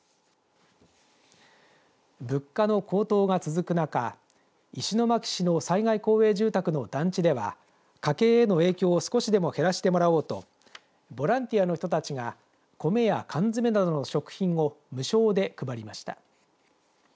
物価の高騰が続く中石巻市の災害公営住宅の団地ては家計への影響を少しでも減らしてもらおうとボランティアの人たちが米や缶詰などの食品を無償で配りました。